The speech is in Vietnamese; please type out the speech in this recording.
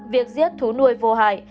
việc giết thú nuôi vô hại